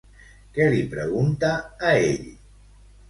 Què li pregunta a ell?